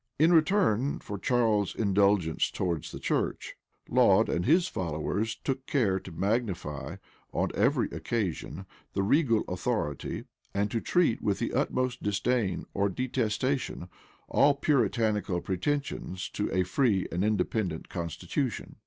In return for Charles's indulgence towards the church, Laud and his followers took care to magnify, on every occasion, the regal authority, and to treat with the utmost disdain or detestation all Puritanical pretensions to a free and independent constitution.